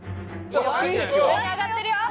いいよ上に上がってるよ。